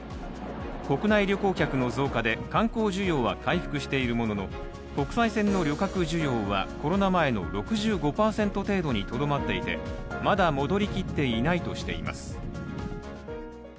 国内旅行客の増加で観光需要は回復しているものの、国際線の旅客需要はコロナ前の６５％程度にとどまっていてまだ戻りきっていないとしています。